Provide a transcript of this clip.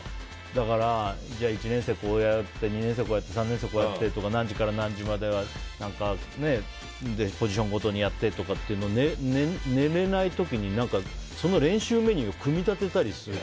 だから、１年生こうやって２年生こうやって３年生こうやって何時から何時まではポジションごとにやってとか寝れない時にその練習メニューを組み立てたりする。